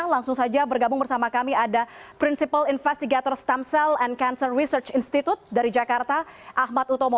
langsung saja bergabung bersama kami ada principle investigator stem cell and cancer research institute dari jakarta ahmad utomo